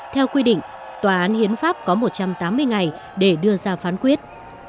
theo quy định tòa án hiến pháp có một trăm tám mươi ngày để đưa ra phán quyết